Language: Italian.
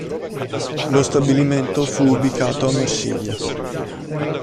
Lo stabilimento fu ubicato a Marsiglia.